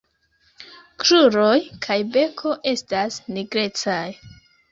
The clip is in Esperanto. Kruroj kaj beko estas nigrecaj.